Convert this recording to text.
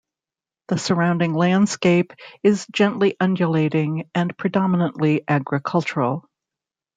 The surrounding landscape is gently undulating and predominantly agricultural.